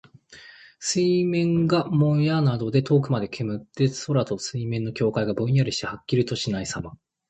水面がもやなどで遠くまで煙って、空と水面の境界がぼんやりしてはっきりとしないさま。